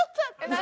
何？